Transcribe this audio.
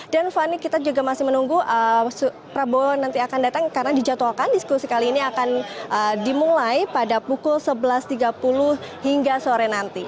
dan fani kita juga masih menunggu prabowo nanti akan datang karena dijatuhkan diskusi kali ini akan dimulai pada pukul sebelas tiga puluh hingga sore nanti